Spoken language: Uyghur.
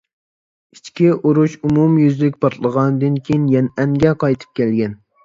ئىچكى ئۇرۇش ئومۇميۈزلۈك پارتلىغاندىن كېيىن، يەنئەنگە قايتىپ كەلگەن.